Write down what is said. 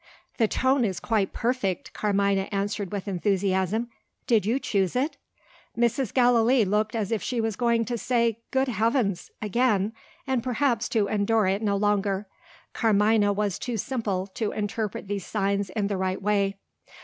"The tone is quite perfect!" Carmina answered with enthusiasm. "Did you choose it?" Mrs. Gallilee looked as if she was going to say "Good Heavens!" again, and perhaps to endure it no longer. Carmina was too simple to interpret these signs in the right way.